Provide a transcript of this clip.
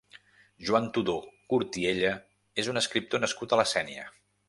Joan Todó Cortiella és un escriptor nascut a la Sénia.